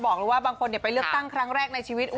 บอกเลยว่าบางคนไปเลือกตั้งครั้งแรกในชีวิต